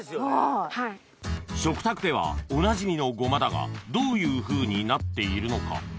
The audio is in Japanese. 食卓ではおなじみのごまだがどういうふうになっているのか？